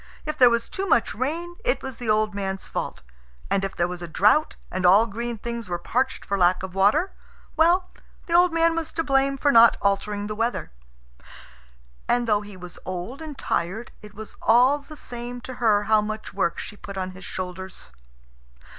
If there was too much rain, it was the old man's fault; and if there was a drought, and all green things were parched for lack of water, well, the old man was to blame for not altering the weather. And though he was old and tired, it was all the same to her how much work she put on his shoulders.